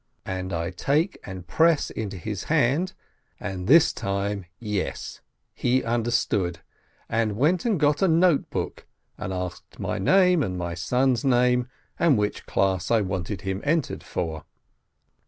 and I take and press into his hand and this time, yes! he understood, and went and got a note book, and asked my name and my son's name, and which class I wanted him entered for.